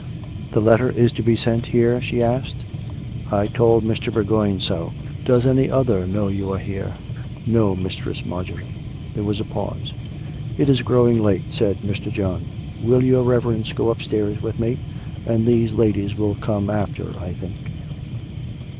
" The letter is to be sent here ?" she asked. " I told Mr. Bourgoign so." COME RACK! COME ROPE! 323 " Does any other know you are here ?"" No, Mistress Marjorie." There was a pause. " It is growing late," said Mr. John. " Will your Rev erence go upstairs with me; and these ladies will come after, I think."